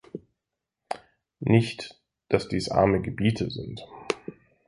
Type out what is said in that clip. Nicht, dass dies arme Gebiete sind.